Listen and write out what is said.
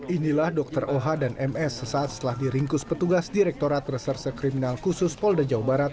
inilah dokter oh dan ms sesaat setelah diringkus petugas direktorat reserse kriminal khusus polda jawa barat